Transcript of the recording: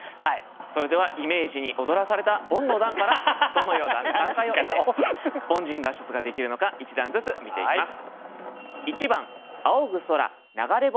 それではイメージに踊らされたボンの段からどのような段階を経て凡人脱出ができるのか一段ずつ見ていきます。